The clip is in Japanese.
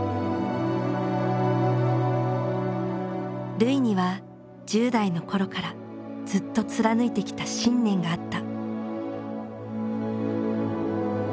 瑠唯には１０代の頃からずっと貫いてきた信念があった。